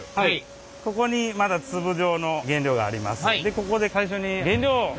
ここにまだ粒状の原料があります。